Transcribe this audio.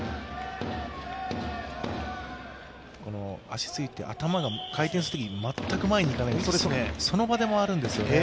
足ついて頭が回転するときに全く前にいかない、その場で回るんですよね。